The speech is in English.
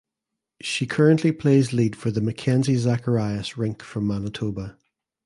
She currently plays lead for the Mackenzie Zacharias rink from Manitoba.